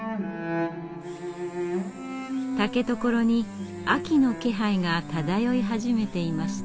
竹所に秋の気配が漂い始めていました。